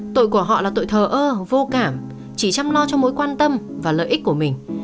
tội của họ là tội thờ ơ vô cảm chỉ chăm lo cho mối quan tâm và lợi ích của mình